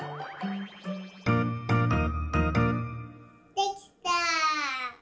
できた！